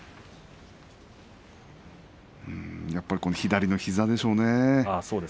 やはり左の膝でしょうね。